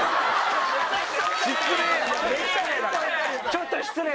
ちょっと失礼。